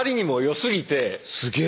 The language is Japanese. すげえ。